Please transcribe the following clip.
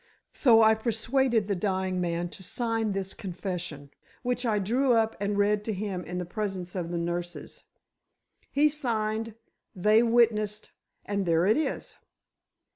So I persuaded the dying man to sign this confession, which I drew up and read to him in the presence of the nurses. He signed—they witnessed—and there it is."